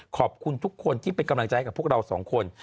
ขอบคุณทุกคนที่เป็นกำลังใจให้กับพวกเราสองคน